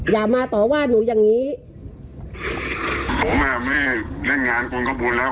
อย่ามาต่อว่าหนูอย่างงี้เล่นงานคุณก็บุญแล้ว